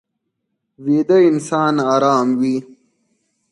ویده انسان ارام وي